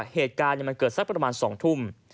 เหตุการณ์มันเกิดสักประมาณ๒ทุ่ม